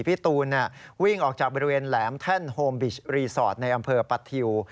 พี่ตูนวิ่งออกจากบริเวณแหลมแท่นโฮมบิชรีสอร์ทในอำเภอปะทิว